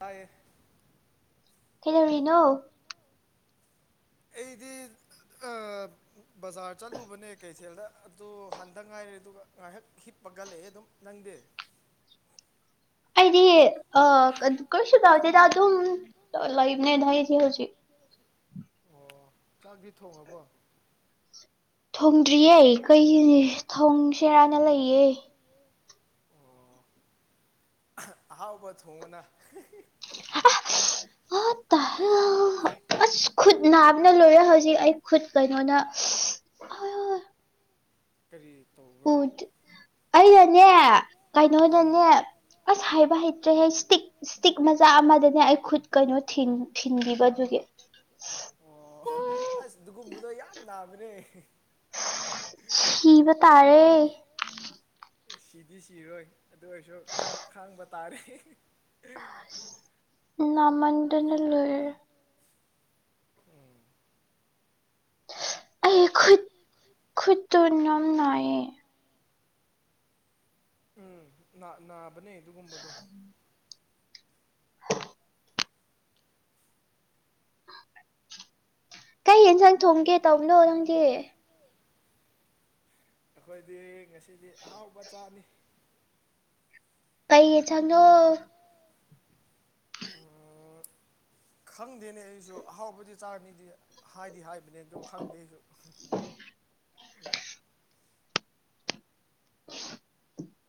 ꯇꯌꯦ ꯀꯩꯅꯣꯔꯤꯅꯣ ꯑꯩꯗꯤ ꯕꯖꯥꯔ ꯆꯠꯂꯨꯕꯅꯦ ꯀꯩꯊꯦꯜꯗ ꯑꯗꯨ ꯍꯟꯗ ꯉꯥꯏꯔꯦ ꯑꯗꯨꯒ ꯉꯥꯏꯍꯥꯛ ꯍꯤꯞꯄꯒꯂꯑꯦ ꯑꯗꯨꯝ ꯅꯪꯗꯦ ꯑꯩꯗꯤ ꯑ ꯀꯔꯤꯁꯨ ꯇꯧꯗꯦꯗ ꯑꯗꯨꯝ ꯂꯩꯕꯅꯦꯗ ꯑꯩꯁꯤꯦ ꯍꯧꯖꯤꯛ ꯆꯥꯛꯕꯤ ꯊꯣꯡꯉꯕꯣ ꯊꯣꯡꯗ꯭ꯔꯤꯌꯦ ꯀꯩꯒꯤꯅꯤ ꯊꯣꯡꯁꯦꯔꯥꯅ ꯂꯩꯌꯦ ꯑꯍꯥꯎꯕ ꯊꯣꯡꯅ ꯎꯝ ꯑ ꯑꯁ ꯈꯨꯠ ꯅꯥꯕꯅ ꯂꯣꯏꯔꯦ ꯍꯧꯖꯤꯛ ꯑꯩ ꯈꯨꯠ ꯀꯩꯅꯣꯅ ꯀꯔꯤ ꯇꯧꯕ꯭ꯔꯥ ꯑꯩꯅꯅꯦ ꯀꯩꯅꯣꯅꯅꯦ ꯑꯁ ꯍꯥꯏꯕ ꯍꯩꯇ꯭ꯔꯦꯍꯦ ꯏꯁꯇꯤꯛ ꯏꯁꯇꯤꯛ ꯃꯆꯥ ꯑꯃꯗꯅꯦ ꯑꯩ ꯈꯨꯠ ꯀꯩꯅꯣ ꯊꯤꯟ ꯊꯤꯟꯒꯤꯕ ꯑꯗꯨꯒꯤ ꯑꯁ ꯗꯨꯒꯨꯝꯕꯗꯣ ꯌꯥꯝ ꯅꯥꯕꯅꯦ ꯍꯤꯕ ꯇꯥꯔꯦ ꯁꯤꯗꯤ ꯁꯤꯔꯣꯏ ꯑꯗꯨ ꯑꯣꯏꯔꯁꯨ ꯉꯥꯍꯥꯛ ꯈꯥꯡꯕ ꯇꯥꯔꯦ ꯅ ꯑꯃꯟꯗꯅ ꯂꯣꯏꯔ ꯑꯩ ꯈꯠ ꯈꯨꯗ ꯅꯝ ꯅꯥꯏꯌꯦ ꯎꯝ ꯅꯥꯕꯅꯦ ꯑꯗꯨꯒꯨꯝꯕꯗꯣ ꯀꯩ ꯌꯦꯦꯟꯁꯥꯡ ꯊꯣꯡꯒꯦ ꯇꯧꯕꯅꯣ ꯅꯪꯗꯤ ꯑꯩꯈꯣꯏꯗꯤ ꯉꯁꯤꯗꯤ ꯑꯍꯥꯎꯕ ꯆꯥꯅꯤ ꯀꯩ ꯊꯪꯅꯣ ꯈꯪꯗꯦꯅꯦ ꯑꯩꯁꯨ ꯑꯍꯥꯎꯕꯗꯤ ꯆꯥꯅꯤꯗꯤ ꯍꯥꯏꯗꯤ ꯍꯥꯏꯕꯅꯦ ꯑꯗꯨ ꯈꯪꯗꯦ ꯑꯩꯁꯨ [inaudible]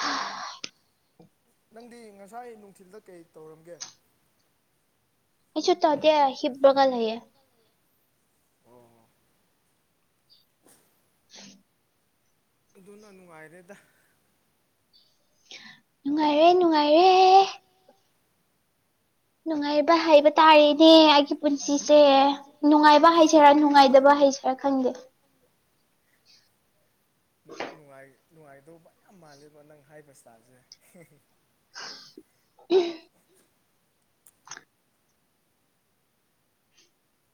ꯍꯥ ꯅꯪꯗꯤ ꯉꯁꯥꯏ ꯅꯨꯡꯊꯤꯜꯗ ꯀꯩ ꯇꯧꯔꯝꯒꯦ ꯑꯩꯁꯨ ꯇꯣꯗꯦ ꯍꯤꯞꯕ꯭ꯔꯒ ꯂꯩꯏꯌꯦ [inaudible] ꯑꯗꯨꯅ ꯅꯨꯡꯉꯥꯏꯔꯦꯗ ꯅꯨꯡꯉꯥꯏꯔꯦ ꯅꯨꯡꯉꯥꯏꯔꯦ ꯅꯨꯡꯉꯥꯏꯕ ꯍꯥꯏꯕ ꯇꯥꯔꯦꯅꯦ ꯑꯩꯒꯤ ꯄꯨꯟꯁꯤꯁꯦ ꯅꯨꯡꯉꯥꯏꯕ ꯍꯥꯏꯁꯤꯔꯥ ꯅꯨꯡꯉꯥꯏꯗꯕ ꯍꯥꯏꯁꯤꯔꯥ ꯈꯪꯗꯦ ꯅꯨꯡꯉꯥꯏ ꯅꯨꯡꯉꯥꯏꯗꯧꯕ ꯌꯥꯝ ꯃꯥꯜꯂꯦꯕ ꯅꯪ ꯍꯥꯏꯕ ꯏꯁꯇꯥꯜꯁꯦ [unintelligible]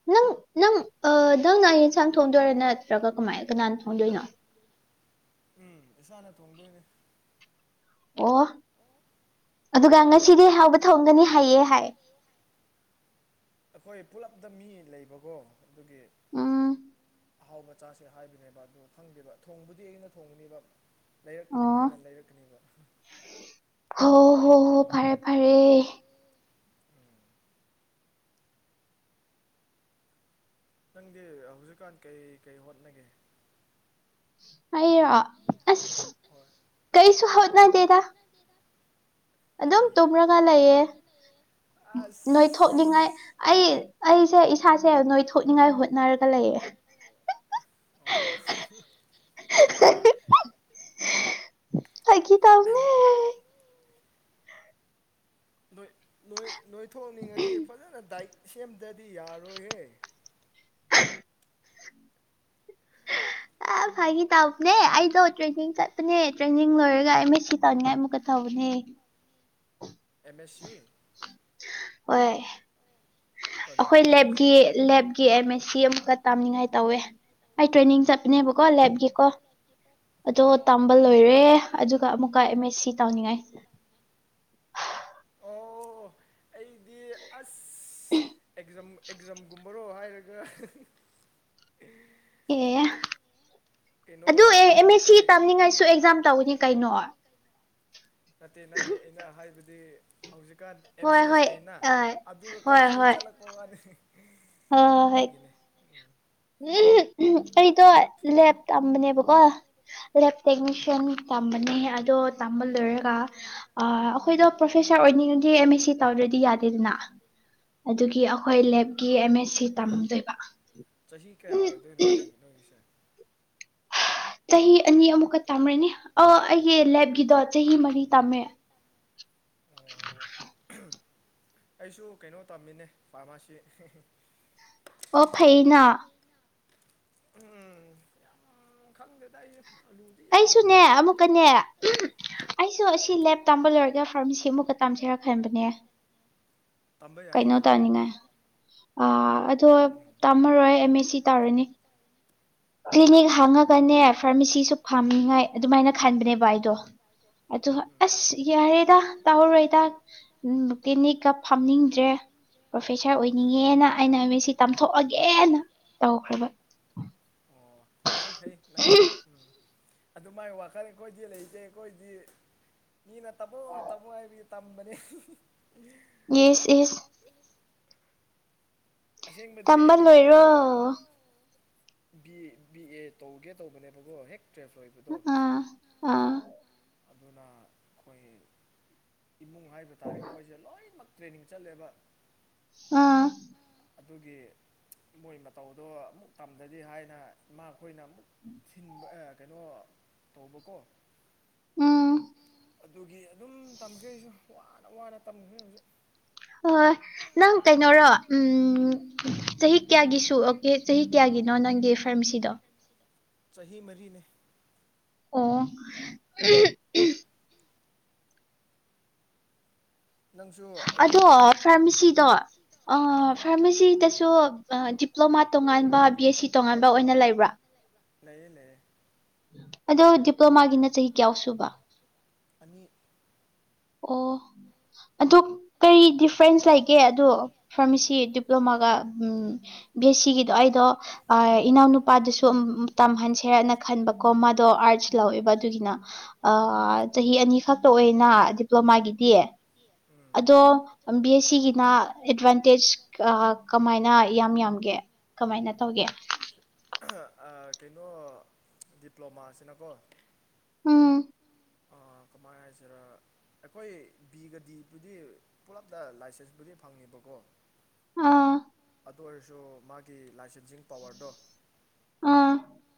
ꯅꯪ ꯅꯝ ꯑ ꯅꯪꯅ ꯌꯦꯟꯁꯥꯡ ꯊꯣꯡꯗꯣꯏꯔꯥ ꯅꯠꯇ꯭ꯔꯒ ꯀꯃꯥꯏꯟ ꯀꯅꯥꯅ ꯊꯣꯡꯗꯣꯏꯅꯣ ꯎꯝ ꯏꯁꯥꯅ ꯊꯣꯡꯗꯣꯏꯅꯤ ꯑꯣ ꯑꯗꯨꯒ ꯉꯁꯤꯗꯤ ꯍꯥꯎꯕ ꯊꯣꯡꯒꯅꯤ ꯍꯥꯏꯌꯦ ꯍꯥꯏ ꯑꯈꯣꯏ ꯄꯨꯂꯞꯗ ꯃꯤ ꯂꯩꯕꯒꯣ ꯑꯗꯨꯒꯤ ꯑꯍꯥꯎ ꯆꯥꯁꯦ ꯍꯥꯏꯕꯅꯦꯕ ꯑꯗꯨ ꯐꯪꯗꯦꯕ ꯊꯣꯡꯕꯨꯗꯤ ꯑꯩꯅ ꯊꯣꯡꯉꯅꯤꯕ ꯂꯩꯔꯛꯄꯗꯤ ꯃꯣꯏꯅ ꯂꯩꯔꯛꯀꯅꯤꯕ ꯍꯣ ꯍꯣ ꯍꯣ ꯐꯔꯦ ꯐꯔꯦ ꯅꯪꯗꯤ ꯍꯧꯖꯤꯛꯀꯥꯟ ꯀꯩ ꯀꯩ ꯍꯣꯠꯅꯒꯦ ꯑꯩꯔꯣ ꯑꯁ ꯀꯩꯁꯨ ꯍꯧꯠꯅꯗꯦꯗ ꯑꯗꯨꯝ ꯇꯨꯝꯔꯒ ꯂꯩꯌꯦ ꯅꯣꯏ ꯊꯣꯛꯅꯤꯡꯉꯥꯏ ꯑꯩ ꯑꯩꯁꯦ ꯏꯁꯥꯁꯦ ꯅꯣꯏ ꯊꯣꯛꯏꯪꯉꯥꯏ ꯍꯣꯠꯅꯔꯒ ꯂꯩꯌꯦ [unintelligible] ꯍꯥꯏꯒꯤ ꯇꯝꯅꯦ ꯅꯣꯏ ꯅꯣꯏ ꯊꯣꯛꯅꯤꯡꯉꯗꯤ ꯐꯖꯅ ꯗꯥꯏꯠ ꯁꯦꯝꯗ꯭ꯔꯗꯤ ꯌꯥꯔꯣꯏꯍꯦ [inaudible] ꯑ ꯐꯥꯒꯤ ꯇꯥꯎꯕꯅꯦ ꯑꯩꯗꯣ ꯇ꯭ꯔꯦꯅꯤꯡ ꯆꯠꯄꯅꯦ ꯇ꯭ꯔꯦꯅꯤꯡ ꯂꯣꯏꯔꯒ ꯑꯦ ꯃꯦ ꯁꯤ ꯇꯧꯅꯤꯡꯉꯥꯏ ꯑꯃꯨꯛꯀ ꯇꯧꯅꯦ ꯑꯦꯝ ꯃꯦ ꯁꯤ ꯍꯣꯏ ꯑꯈꯣꯏ ꯂꯦꯞꯒꯤ ꯂꯦꯞꯒꯤ ꯑꯦꯝ ꯃꯦ ꯁꯤ ꯑꯃꯨꯛꯀ ꯇꯝꯅꯤꯡꯉꯥꯏ ꯇꯧꯋꯦ ꯑꯩ ꯇ꯭ꯔꯦꯅꯤꯡ ꯆꯠꯄꯅꯦꯕꯀꯣ ꯂꯦꯞꯒꯤꯀꯣ ꯑꯗꯣ ꯇꯝꯕ ꯂꯣꯏꯔꯦ ꯑꯗꯨꯒ ꯑꯃꯨꯛꯀ ꯑꯦꯝ ꯃꯦ ꯁꯤ ꯇꯧꯅꯤꯉꯥꯏ ꯑꯣ ꯑꯩꯗꯤ ꯑꯁ ꯑꯦꯛꯖꯝ ꯑꯦꯛꯖꯝꯒꯨꯝꯕꯔꯣ ꯍꯥꯏꯔꯒ [unintelligible] ꯑꯦ ꯑꯗꯨ ꯑꯦ ꯑꯦꯝ ꯃꯦ ꯁꯤ ꯇꯝꯅꯤꯡꯉꯥꯏꯁꯨ ꯑꯦꯛꯖꯥꯝ ꯇꯧꯅꯤ ꯀꯩꯅꯣ ꯅꯠꯇꯦ ꯅꯠꯇꯦ ꯑꯩꯅ ꯍꯥꯏꯕꯗꯤ ꯍꯧꯖꯤꯛꯀꯥꯟ ꯑꯦꯝ ꯁꯤ ꯑꯦꯁ ꯂꯩꯅ ꯑꯗꯨꯔ ꯀꯔꯐ꯭ꯌꯨꯁ ꯆꯠꯂꯛꯄ ꯋꯥꯅꯤ [unintelligible] ꯍꯣ ꯍꯣ ꯍꯣꯏꯠ ꯎꯍ ꯎꯍꯨꯝ ꯑꯩꯗꯣ ꯂꯦꯞ ꯇꯝꯕꯅꯦꯕꯀꯣ ꯂꯦꯞ ꯇꯦꯛꯅꯤꯁꯤꯌꯟ ꯇꯝꯕꯅꯦ ꯑꯗꯣ ꯇꯝꯕ ꯂꯣꯏꯔꯒ ꯑ ꯑꯈꯣꯏꯗꯣ ꯄ꯭ꯔꯣꯐꯦꯁꯔ ꯑꯣꯏꯅꯤꯡꯉꯗꯤ ꯑꯦꯝ ꯃꯦ ꯁꯤ ꯇꯧꯗ꯭ꯔꯗꯤ ꯌꯥꯗꯦꯗꯅ ꯑꯗꯨꯒꯤ ꯑꯈꯣꯏ ꯂꯦꯞꯀꯤ ꯑꯦꯝ ꯃꯦ ꯁꯤ ꯇꯝꯗꯣꯏꯕ ꯆꯍꯤ ꯀꯌꯥ ꯑꯣꯏꯗꯣꯏꯅꯣ ꯅꯣꯏ ꯅꯣꯏꯒꯤꯁꯦ ꯆꯍꯤ ꯑꯅꯤ ꯑꯃꯨꯛꯀ ꯇꯝꯔꯅꯤ ꯑ ꯑꯩꯒꯤ ꯂꯦꯞꯒꯤꯗꯣ ꯆꯍꯤ ꯃꯔꯤ ꯇꯝꯃꯦ ꯑꯩꯁꯨ ꯀꯩꯅꯣ ꯇꯝꯃꯤꯅꯦ ꯐꯥꯔꯃꯥꯁꯤ ꯍꯦ ꯍꯦ ꯑꯣ ꯐꯩꯅ ꯎꯝ ꯌꯥꯝ ꯈꯪꯗꯦꯗ ꯑꯩꯁꯨ ꯂꯨꯗꯤ ꯌꯥꯝ ꯂꯨꯨꯢ ꯑꯩꯁꯨꯅꯦ ꯎꯝ ꯑꯩꯁꯨ ꯑꯁꯤ ꯂꯦꯞ ꯇꯥꯝꯕ ꯂꯣꯏꯔꯒ ꯐꯥꯔꯃꯥꯁꯤ ꯑꯃꯨꯛꯀ ꯇꯥꯝꯁꯤꯔ ꯈꯟꯕꯅꯦ ꯀꯩꯅꯣ ꯇꯧꯅꯤꯡꯉꯥꯏ ꯑ ꯑꯗꯣ ꯇꯥꯝꯃꯔꯣꯏ ꯑꯦꯝ ꯑꯦꯁ ꯁꯤ ꯇꯧꯔꯅꯤ ꯀ꯭ꯂꯤꯅꯤꯛ ꯍꯥꯡꯉꯒꯅꯦ ꯐꯥꯔꯃꯥꯁꯤꯁꯨ ꯐꯥꯝꯅꯤꯉꯥꯏ ꯑꯗꯨꯃꯥꯏꯅ ꯈꯟꯕꯅꯦꯕ ꯑꯩꯗꯣ ꯑꯗꯣ ꯑꯁ ꯌꯥꯔꯦꯗ ꯇꯧꯔꯔꯣꯢꯗ ꯎꯝ ꯀ꯭ꯂꯤꯅꯤꯛꯀ ꯐꯝꯅꯤꯡꯗ꯭ꯔꯦ ꯄ꯭ꯔꯣꯐꯦꯁꯥꯔ ꯑꯣꯏꯅꯤꯡꯉꯦꯅ ꯑꯩꯅ ꯑꯦꯝ ꯑꯦ ꯁꯤ ꯇꯥꯝꯊꯣꯛꯑꯒꯦꯅ ꯇꯧꯈ꯭ꯔꯕ ꯌꯥꯝ ꯐꯩ ꯅꯪꯒꯤꯁꯨ ꯎꯝ ꯑꯗꯨꯃꯥꯏ ꯋꯥꯈꯜ ꯑꯩꯈꯣꯏꯗꯤ ꯂꯩꯇꯦ ꯑꯩꯈꯣꯏꯗꯤ ꯃꯤꯅ ꯇꯝꯃꯣ ꯇꯝꯃꯣ ꯍꯥꯏꯕꯒꯤ ꯇꯝꯕꯅꯦ ꯎꯝꯍꯨꯝ ꯍꯨꯝ ꯢꯁ ꯢꯁ ꯑꯁꯦꯡꯕꯗꯤ ꯑꯩ ꯀꯩꯅꯣ ꯕꯤ ꯕꯤ ꯑꯦ ꯇꯧꯒꯦ ꯇꯧꯕꯅꯦꯕꯀꯣ ꯍꯦꯛ ꯇꯨꯋꯦꯜꯐ ꯂꯣꯏꯕꯗꯣ ꯑꯗꯨꯅ ꯑꯩꯈꯣꯏ ꯏꯃꯨꯡ ꯍꯥꯏꯕ ꯇꯥꯔꯦ ꯑꯩꯈꯣꯏꯁꯦ ꯂꯣꯏꯃꯛ ꯇ꯭ꯔꯦꯅꯤꯡ ꯆꯠꯂꯦꯕ ꯑꯥ ꯑꯗꯨꯒꯤ ꯃꯣꯏ ꯃꯇꯧꯗꯣ ꯑꯃꯨꯛ ꯇꯝꯗ꯭ꯔꯗꯤ ꯍꯥꯏꯅ ꯏꯃꯥꯈꯣꯏꯅ ꯑꯃꯨꯛ ꯁꯤꯟꯕ ꯑ ꯀꯩꯅꯣ ꯇꯧꯕꯀꯣ ꯎꯝ ꯑꯗꯨꯒꯤ ꯑꯗꯨꯝ ꯇꯝꯈ꯭ꯔꯦ ꯑꯩꯁꯨ ꯋꯥꯅ ꯋꯥꯅ ꯇꯝꯈ꯭ꯔꯦ ꯍꯧꯖꯤꯛ ꯍꯣꯏ ꯅꯪ ꯀꯩꯅꯣꯔꯣ ꯎꯝ ꯆꯍꯤ ꯀꯌꯥꯒꯤꯁꯨ ꯑꯦ ꯆꯍꯤ ꯀꯌꯥꯒꯤꯅꯣ ꯅꯪꯒꯤ ꯐꯥꯔꯃꯥꯁꯤꯗꯣ ꯆꯍꯤ ꯃꯔꯤꯅꯦ ꯑꯣ ꯎꯍꯨꯝ ꯑꯗꯣ ꯐꯥꯔꯃꯥꯁꯤꯗꯣ ꯑ ꯐꯥꯔꯃꯥꯁꯤꯗꯁꯨ ꯑꯗꯣ ꯑ ꯗꯤꯄ꯭ꯂꯣꯃꯥ ꯇꯣꯉꯥꯟꯕ ꯕꯤ ꯑꯦꯁ ꯁꯤ ꯇꯣꯉꯥꯟꯕ ꯑꯣꯏꯅ ꯂꯩꯕ꯭ꯔꯥ ꯂꯩꯌꯦ ꯂꯩꯌꯦ ꯑꯗꯣ ꯗꯤꯄ꯭ꯂꯣꯃꯥꯒꯤꯅ ꯆꯍꯤ ꯀꯌꯥ ꯁꯨꯕ ꯑꯅꯤ ꯑꯣ ꯑꯗꯣ ꯀꯔꯤ ꯗꯤꯐ꯭ꯔꯦꯟꯁ ꯂꯩꯒꯦ ꯑꯗꯣ ꯐꯥꯔꯃꯥꯁꯤ ꯗꯤꯄ꯭ꯂꯣꯃꯥꯒ ꯎꯝ ꯕꯤ ꯑꯦꯁ ꯁꯤꯒꯤꯗꯣ ꯑꯩꯗꯣ ꯑ ꯏꯅꯥꯎꯅꯨꯄꯥꯗꯨꯁꯨ ꯇꯝꯍꯟꯁꯦꯔꯅ ꯈꯟꯕꯀꯣ ꯃꯥꯗꯣ ꯑꯥꯔꯠꯁ ꯂꯧꯋꯦꯕ ꯑꯗꯨꯒꯤꯅ ꯑ ꯆꯍꯤ ꯑꯅꯤ ꯈꯛꯇ ꯑꯣꯏꯅ ꯗꯤꯄ꯭ꯂꯣꯃꯥꯒꯤꯗꯤ ꯑꯗꯣ ꯕꯤ ꯑꯦꯁ ꯁꯤꯒꯤꯅ ꯑꯦꯗꯚꯥꯟꯇꯦꯖ ꯑ ꯀꯃꯥꯏꯅ ꯌꯥꯝ ꯌꯥꯝꯒꯦ ꯀꯃꯥꯏꯅ ꯇꯧꯒꯦ ꯑ ꯀꯩꯅꯣ ꯗꯤꯄ꯭ꯂꯣꯃꯥꯁꯤꯅꯀꯣ ꯎꯝ ꯀꯃꯥꯏ ꯍꯥꯏꯁꯤꯔ ꯑꯩꯈꯣꯏ ꯕꯤꯒꯗꯤꯕꯨꯗꯤ ꯄꯨꯂꯞꯅ ꯂꯥꯏꯁꯦꯟꯁꯄꯨꯗꯤ ꯐꯪꯉꯦꯕꯀꯣ ꯑꯥ ꯑꯗꯨ ꯑꯣꯏꯔꯁꯨ ꯃꯥꯒꯤ ꯂꯥꯏꯁꯦꯟꯁꯤꯡ ꯄꯋꯥꯔꯗꯣ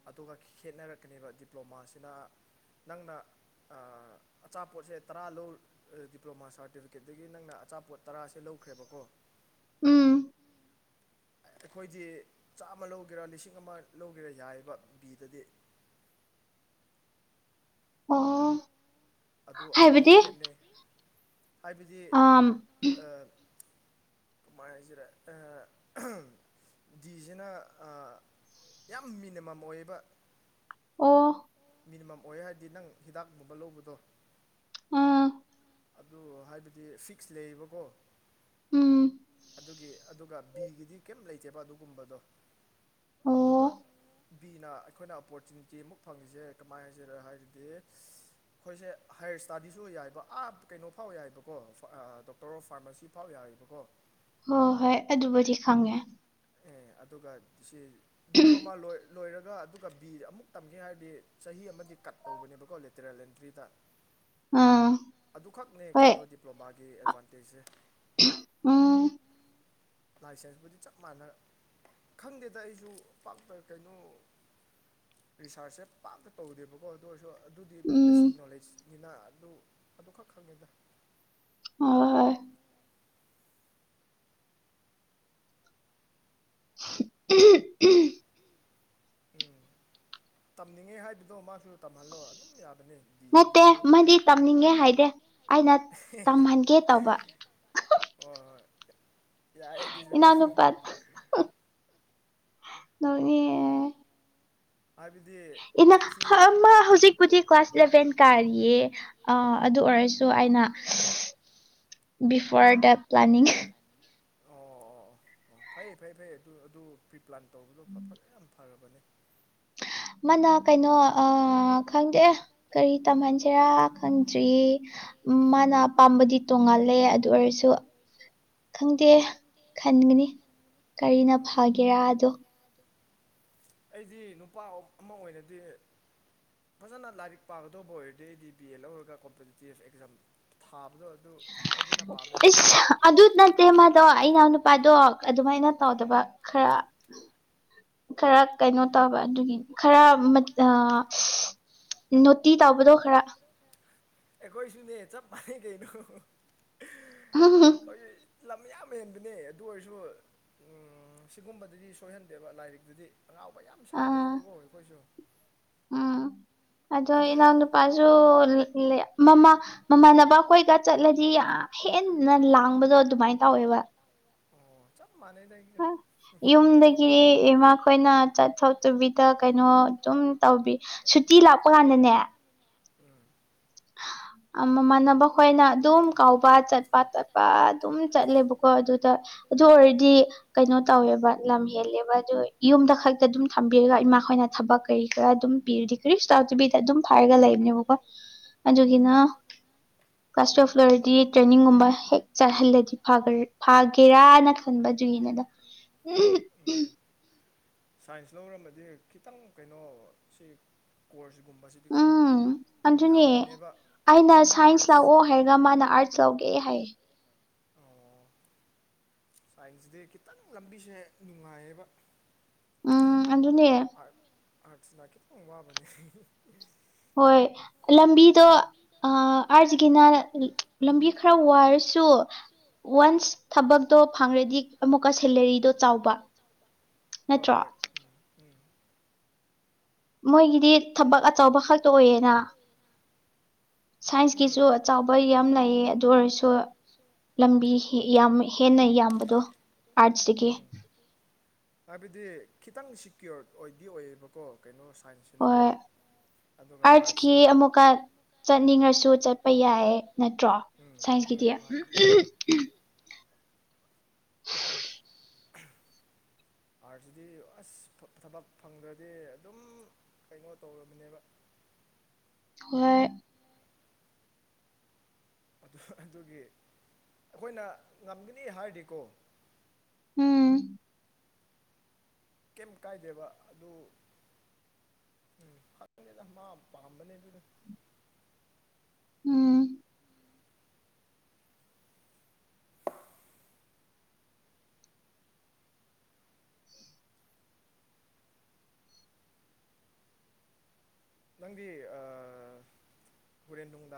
ꯑꯗꯨꯒ ꯈꯦꯠꯅꯔꯛꯀꯅꯤꯕ ꯗꯤꯄ꯭ꯂꯣꯃꯥꯁꯤꯅ ꯅꯪꯅ ꯑꯆꯥꯄꯣꯠꯁꯦ ꯇꯔꯥ ꯂꯧ ꯑꯥ ꯗꯤꯄ꯭ꯂꯣꯃꯥ ꯁꯥꯔꯇꯤꯐꯤꯀꯦꯠꯇꯒꯤ ꯅꯪꯅ ꯑꯆꯥꯄꯣꯠ ꯇꯔꯥꯁꯦ ꯂꯧꯈ꯭ꯔꯦꯕꯀꯣ ꯎꯝ ꯑꯩꯈꯣꯏꯗꯤ ꯆꯥꯝꯃ ꯂꯧꯒꯦꯔꯥ ꯂꯤꯁꯤꯡ ꯑꯃ ꯂꯧꯒꯦꯔꯥ ꯌꯥꯏꯌꯦꯕ ꯕꯤꯗꯗꯤ ꯑꯣ ꯑꯗꯨ ꯑꯗꯨ ꯈꯦꯠꯅꯩ ꯍꯥꯏꯕꯗꯤ ꯑ ꯀꯃꯥꯏꯅ ꯍꯥꯏꯁꯤꯔ ꯑ ꯑꯥꯍꯝ ꯗꯤꯖꯤꯅ ꯑ ꯌꯥꯝ ꯃꯤꯅꯤꯃꯝ ꯑꯣꯏꯌꯦꯕ ꯑꯣ ꯃꯤꯅꯤꯃꯝ ꯑꯣꯏ ꯍꯥꯏꯗꯤ ꯅꯪ ꯍꯤꯗꯥꯛꯀꯨꯝꯕ ꯂꯧꯕꯗꯣ ꯑꯗꯨ ꯍꯥꯏꯕꯗꯤ ꯐꯤꯛꯁ ꯂꯩꯌꯦꯕꯀꯣ ꯑꯗꯨꯒꯤ ꯑꯗꯨꯒ ꯕꯤꯒꯤꯗꯤ ꯀꯩꯝ ꯂꯩꯇꯦꯕ ꯑꯗꯨꯒꯨꯝꯕꯗꯣ ꯑꯗꯨꯒ ꯕꯤꯅ ꯑꯩꯈꯣꯏꯅ ꯑꯣꯄꯣꯔꯆꯨꯅꯤꯇꯤ ꯑꯃꯨꯛ ꯐꯪꯉꯤꯁꯦ ꯀꯃꯥꯏꯅ ꯍꯥꯏꯖꯤꯔꯥ ꯍꯥꯏꯔꯗꯤ ꯑꯩꯈꯣꯏꯁꯦ ꯍꯥꯏꯌꯔ ꯏꯁꯇꯥꯗꯤꯁꯨ ꯌꯥꯏꯕ ꯑꯥ ꯀꯩꯅꯣ ꯐꯥꯎ ꯌꯥꯏꯕꯀꯣ ꯑꯥ ꯗꯣꯛꯇꯔ ꯑꯣꯐ ꯐꯥꯔꯃꯥꯁꯤ ꯐꯥꯎ ꯌꯥꯏꯕꯀꯣ ꯍꯣꯏ ꯍꯣꯏ ꯑꯗꯨꯕꯨꯗꯤ ꯈꯪꯉꯦ ꯑꯦ ꯑꯗꯨꯒ ꯁꯤ ꯗꯤꯄ꯭ꯂꯣꯃꯥ ꯂꯣꯏ ꯂꯣꯏꯔꯒ ꯑꯗꯨꯒ ꯕꯤ ꯑꯃꯨꯛ ꯇꯝꯒꯦ ꯍꯥꯏꯔꯗꯤ ꯆꯍꯤ ꯑꯃꯗꯤ ꯀꯠ ꯇꯧꯕꯅꯦꯕꯀꯣ ꯂꯦꯇꯔꯦꯜ ꯑꯦꯟꯇ꯭ꯔꯤꯗ ꯑꯗꯨꯈꯛꯅꯦ ꯀꯩꯅꯣ ꯗꯤꯄ꯭ꯂꯣꯃꯥꯒꯤ ꯑꯦꯗꯚꯥꯟꯇꯦꯖꯁꯦ ꯎꯝ ꯂꯥꯏꯁꯦꯟꯁꯄꯨꯗꯤ ꯆꯞ ꯃꯥꯟꯅ ꯈꯪꯗꯦꯗ ꯑꯩꯁꯨ ꯄꯥꯛꯇ ꯀꯩꯅꯣ ꯔꯤꯁꯥꯔꯁꯁꯦ ꯄꯥꯛꯅ ꯇꯧꯗꯦꯕꯀ‌ꯣ ꯑꯗꯨ ꯑꯣꯏꯔꯁꯨ ꯑꯗꯨꯗꯤ ꯕꯦꯁꯤꯛ ꯅꯣꯂꯦꯖꯅꯤꯅ ꯑꯗꯨ ꯑꯗꯨꯈꯛ ꯈꯪꯉꯦꯗ ꯍ ꯍꯣꯏ ꯎꯝ ꯎꯝ [unintelligible] ꯎꯝ ꯇꯝꯅꯤꯡꯉꯦ ꯍꯥꯏꯕꯗꯣ ꯃꯥꯁꯨ ꯇꯝꯍꯜꯂꯣ ꯑꯗꯨꯝ ꯌꯥꯕꯅꯤ ꯅꯠꯇꯦ ꯃꯥꯗꯤ ꯇꯝꯅꯤꯡꯉꯦ ꯍꯥꯏꯗꯦ ꯑꯩꯅ ꯇꯝꯍꯟꯒꯦ ꯇꯧꯕ ꯍ‌ꯣꯍ‌ꯣꯏ ꯌꯥꯏ ꯏꯅꯥꯎꯅꯨꯄꯥ [unintelligible] ꯅꯣꯛꯅꯤꯡ ꯍꯥꯏꯕꯗꯤ ꯏꯃꯥ [unintelligible] ꯃꯥ ꯍꯧꯖꯤꯛ ꯨꯄꯨꯗꯤ ꯀ꯭ꯂꯥꯁ ꯏꯂꯚꯦꯟ ꯀꯥꯔꯤꯌꯦ ꯑꯗꯨ ꯑꯣꯏꯔꯁꯨ ꯑꯩꯅ ꯕꯤꯐꯣꯔ ꯗ ꯄ꯭ꯂꯥꯟꯅꯤꯡ ꯑꯣ ꯑꯣ ꯑꯣ ꯑꯣ ꯐꯩ ꯐꯩ ꯐꯩ ꯑꯗꯨ ꯑꯗꯨ ꯄ꯭ꯔꯤꯄ꯭ꯂꯥꯟ ꯇꯧꯕꯗꯨ ꯐꯖ ꯌꯥꯝ ꯐꯔꯕꯅꯦ ꯃꯥꯅ ꯀꯩꯅꯣ ꯑꯥ ꯈꯪꯗꯦ ꯀꯔꯤ ꯇꯝꯍꯟꯁꯤꯔꯥ ꯈꯪꯗ꯭ꯔꯤ ꯎꯝ ꯃꯥꯅ ꯄꯥꯝꯕꯗꯤ ꯇꯣꯡꯉꯥꯜꯂꯦ ꯑꯗꯨ ꯑꯣꯏꯔꯁꯨ ꯈꯪꯗꯦ ꯈꯟꯒꯅꯤ ꯀꯔꯤꯅ ꯐꯒꯦꯔꯥꯗꯣ ꯑꯩꯗꯤ ꯅꯨꯄꯥ ꯑꯃ ꯑꯣꯏꯅꯗꯤ ꯐꯖꯅ ꯂꯥꯏꯔꯤꯛ ꯄꯥꯒꯗꯧꯕ ꯑꯣꯏꯔꯗꯤ ꯑꯩꯗꯤ ꯕꯤ ꯑꯦ ꯂꯧꯔꯒ ꯀꯣꯝꯄꯤꯇꯤꯇꯤꯞ ꯑꯦꯛꯖꯥꯝ ꯊꯥꯕꯗꯣ ꯑꯗꯨ ꯏꯁ ꯑꯗꯨ ꯅꯠꯇꯦ ꯃꯥꯗꯣ ꯑꯩꯅꯥꯎ ꯅꯨꯄꯥꯗꯣ ꯑꯗꯨꯃꯥꯏꯅ ꯇꯧꯗꯕ ꯈꯔ ꯈꯔ ꯀꯩꯅꯣ ꯇꯧꯕ ꯑꯗꯨꯒꯤ ꯈꯔ ꯃ ꯑꯥ ꯅꯣꯇꯤ ꯇꯧꯕꯗꯣ ꯈꯔ ꯑꯩꯈꯣꯏꯁꯨꯅꯦ ꯆꯞ ꯃꯥꯟꯅꯩ ꯀꯩꯅꯣ ꯑ ꯑꯩ ꯂꯝ ꯌꯥꯝ ꯍꯦꯟꯕꯅꯦ ꯑꯗꯨ ꯑꯣꯏꯔꯁꯨ ꯎꯝ ꯁꯤꯒꯨꯝꯕꯗꯗꯤ ꯁꯣꯏꯍꯟꯗꯦꯕ ꯂꯥꯏꯔꯤꯛꯇꯗꯤ ꯑꯉꯥꯎꯕ ꯌꯥꯝ ꯁꯥꯕꯅꯦꯕꯀꯣ ꯑꯩꯈꯣꯏꯁꯨ ꯎꯝ ꯑꯗ‌ꯣ ꯏꯅꯥꯎꯅꯨꯄꯥꯖꯨ ꯂ‌ꯦ ꯂꯩ ꯃꯃꯥ ꯃꯃꯥꯟꯅꯕꯈꯣꯏꯒ ꯆꯠꯂꯗꯤ ꯌꯥꯝ ꯍꯦꯟꯅ ꯂꯥꯡꯕꯗꯣ ꯑꯗꯨꯃꯥꯏꯅ ꯇꯧꯋꯦꯕ ꯑꯣ ꯆꯞ ꯃꯅꯩꯗ ꯍ ꯌꯨꯝꯗꯒꯤꯗꯤ ꯏꯃꯥꯈꯣꯏꯅ ꯆꯠꯊꯣꯛ ꯇꯨꯕꯤꯗ ꯀꯩꯅꯣ ꯑꯗꯨꯝ ꯇꯧꯕꯤ ꯁꯨꯇꯤ ꯂꯥꯛꯄ ꯀꯥꯟꯗꯅꯦ [inaudible] ꯃꯃꯥꯟꯅꯕ ꯈꯣꯏꯅ ꯑꯗꯨꯝ ꯀꯥꯎꯕ ꯆꯠꯄ ꯆꯠꯄ ꯑꯗꯨꯝ ꯆꯠꯂꯦꯕꯀꯣ ꯑꯗꯨꯗ ꯑꯗꯨ ꯑꯣꯏꯔꯗꯤ ꯀꯩꯅꯣ ꯇꯧꯋꯦꯕ ꯂꯝ ꯍꯦꯜꯂꯦꯕ ꯑꯗꯨ ꯌꯨꯝꯗ ꯈꯛꯇ ꯑꯗꯨꯝ ꯊꯝꯕꯤꯔꯒ ꯏꯃꯥꯈꯣꯏꯅ ꯊꯕꯛ ꯀꯔꯤ ꯈꯔ ꯑꯗꯨꯝ ꯄꯤꯔꯗꯤ ꯀꯔꯤ [unintelligible] ꯁꯇꯕꯤꯗ ꯑꯗꯨꯝ ꯐꯥꯏꯔꯒ ꯂꯩꯕꯅꯦꯕꯀꯣ ꯑꯗꯨꯒꯤꯅ [inaudible] ꯀ꯭ꯂꯥꯁ ꯇꯨꯌꯦꯜꯐ ꯂꯣꯏꯔꯗꯤ ꯇ꯭ꯔꯦꯅꯤꯡꯒꯨꯝꯕ ꯍꯦꯛ ꯆꯠꯍꯜꯂꯗꯤ ꯐꯒ‌ꯔ ꯐꯥꯒꯦꯔꯥꯅ ꯈꯟꯕ ꯗꯨꯨꯒꯤꯅ‌ꯦꯗ ꯎꯝ ꯎ [unintelligible] ꯁꯥꯏꯟꯁ ꯂꯧꯔꯝꯃꯕꯗꯤ ꯈꯤꯇꯪ ꯀꯩꯅꯣ ꯁꯤ ꯀꯣꯔꯁꯤꯒꯨꯝꯕꯁꯤ ꯎꯝ ꯑꯗꯨꯅꯦ ꯑꯩꯅ ꯁꯥꯏꯟꯁ ꯂꯥꯛꯑꯣ ꯍꯥꯏꯔꯒ ꯃꯥꯅ ꯑꯔꯆ ꯂꯧꯒꯦ ꯍꯥꯏꯌꯦ ꯇꯥꯏꯟꯁꯤꯗꯤ ꯈꯤꯇꯪ ꯂꯝꯕꯤꯁꯦ ꯅꯨꯡꯉꯥꯏꯌꯦꯕ ꯎꯝ ꯑꯗꯨꯅꯦ ꯑꯥꯔꯠꯁꯅ ꯈꯤꯇꯪ ꯋꯥꯕꯅꯦ ꯍꯣꯏ ꯂꯝꯕꯤꯗꯣ ꯑ ꯑꯥꯔꯖꯀꯤꯅ ꯂꯝꯕꯤ ꯈꯔ ꯋꯥꯔꯁꯨ ꯋꯥꯟꯁ ꯊꯕꯛꯇꯣ ꯐꯪꯔꯗꯤ ꯑꯃꯨꯛꯀ ꯁꯦꯂꯔꯤꯗꯣ ꯆꯥꯎꯕ ꯍꯣꯏ ꯍꯣꯏ ꯃꯣꯏꯒꯤꯗꯤ ꯊꯕꯛ ꯑꯆꯧꯕ ꯈꯛꯇ ꯑꯣꯏꯌꯦꯅ ꯁꯥꯏꯟꯁꯀꯤꯁꯨ ꯑ ꯆꯥꯎꯕ ꯌꯥꯝ ꯂꯩꯌꯦ ꯑꯗꯨ ꯑꯣꯏꯔꯁꯨ ꯑꯣ ꯂꯝꯕꯤ ꯌꯥꯝ ꯍꯦꯟꯅ ꯌꯥꯝꯕꯗꯣ ꯑꯥꯔꯠꯁꯇꯗꯒꯤ ꯍꯥꯏꯕꯗꯤ ꯈꯤꯇꯪ ꯁꯤꯀ꯭ꯌꯣꯔꯠ ꯑꯣꯏꯗꯤ ꯑꯣꯏꯌꯦꯕꯀꯣ ꯀꯩꯅꯣ ꯁꯥꯏꯟꯁꯦ ꯅꯀꯣ ꯑꯗꯨꯒ ꯑꯥꯔꯠꯁꯅ ꯆꯠꯅꯤꯡꯉꯁꯨ ꯆꯠꯄ ꯌꯥꯏ ꯅꯠꯇ꯭ꯔꯣ ꯁꯥꯏꯟꯁꯀꯤꯗꯤ [inaudible] ꯑꯥꯔꯠꯁꯤꯗꯤ ꯑꯁ ꯊꯕꯛ ꯐꯪꯗ꯭ꯔꯗꯤ ꯑꯗꯨꯝ ꯀꯩꯅꯣ ꯇꯧꯔꯕꯅꯦꯕ ꯍꯣꯏ ꯑꯗꯨꯒꯤ ꯑꯩꯈꯣꯏꯅ ꯉꯝꯒꯅꯤ ꯍꯥꯏꯔꯗꯤꯀꯣ ꯎꯝ ꯀꯩꯝ ꯀꯥꯏꯗꯦꯕ ꯑꯗꯨ ꯎꯝ ꯈꯪꯗꯦꯗ ꯃꯥ ꯄꯥꯝꯕꯅꯦ ꯑꯗꯨꯗꯣ ꯎꯝ ꯅꯪꯗꯤ ꯍꯣꯔꯦꯟ ꯅꯨꯡꯗꯥꯡ